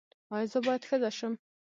ایا زه باید ښځه شم؟